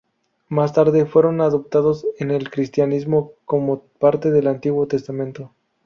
Más tarde, fueron adoptados en el cristianismo como parte del Antiguo Testamento.